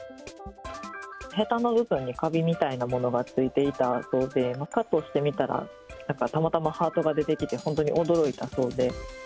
へたの部分にカビみたいなものがついていたようで、カットしてみたら、なんかたまたまハートが出てきて、本当に驚いたそうで。